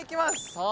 さあ